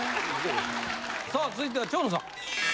さあ続いては蝶野さん。